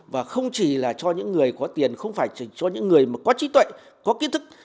và không chỉ cho những người có tiền không phải cho những người có trí tuệ có kỹ thức